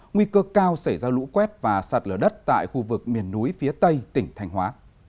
nguy cơ cao xảy ra lũ quét và sạt lở đất tại khu vực miền núi phía tây tỉnh thành hóa